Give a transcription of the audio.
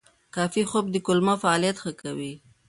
کافي خوب د کولمو فعالیت ښه کوي.